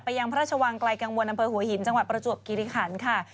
ยังพระราชวังไกลกังวลอำเภอหัวหินจังหวัดประจวบกิริขันค่ะ